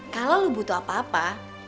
kalau lo butuh apa apa